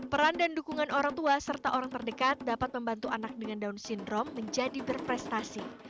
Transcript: peran dan dukungan orang tua serta orang terdekat dapat membantu anak dengan down syndrome menjadi berprestasi